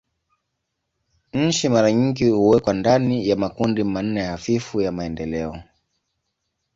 Nchi mara nyingi huwekwa ndani ya makundi manne hafifu ya maendeleo.